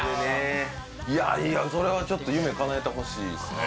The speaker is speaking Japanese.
いやいやそれはちょっと夢かなえてほしいっすね